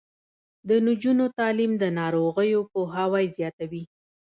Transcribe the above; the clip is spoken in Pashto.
د نجونو تعلیم د ناروغیو پوهاوی زیاتوي.